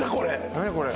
何やこれ。